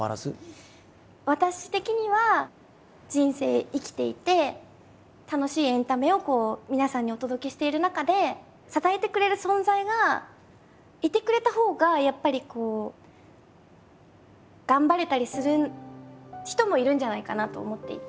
私的には人生生きていて楽しいエンタメを皆さんにお届けしている中で支えてくれる存在がいてくれたほうがやっぱりこう頑張れたりする人もいるんじゃないかなと思っていて。